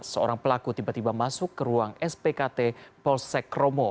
seorang pelaku tiba tiba masuk ke ruang spkt polsek romo